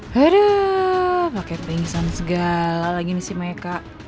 haduh pake pingsan segala lagi nih si meka